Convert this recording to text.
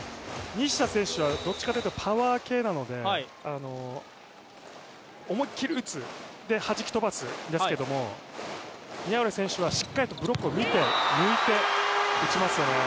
西田選手はどっちかというとパワー系なので、思いっきり打つ、そしてはじき飛ばすですけれども宮浦選手はしっかりとブロックを見て抜いて打ちますよね。